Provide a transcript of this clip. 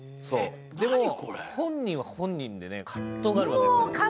でも、本人は本人で葛藤があるわけ。